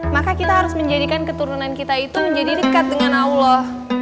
maka kita harus menjadikan keturunan kita itu menjadi dekat dengan allah